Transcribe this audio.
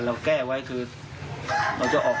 เตรียมป้องกันแชมป์ที่ไทยรัฐไฟล์นี้โดยเฉพาะ